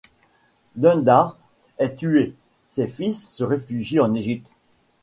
Dündar est tué, ses fils se réfugient en Égypte.